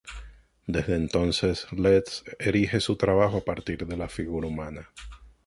Desde entonces, Letts erige su trabajo a partir de la figura humana.